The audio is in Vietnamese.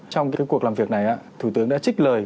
trong cái cuộc làm việc này thủ tướng đã trích lời